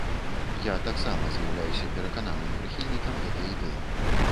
Я таксама з'яўляюся перакананым прыхільнікам гэтай ідэі.